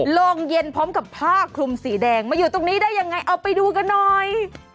โรงเย็นพร้อมกับผ้าคลุมสีแดงมาอยู่ตรงนี้ได้ยังไงเอาไปดูกันหน่อย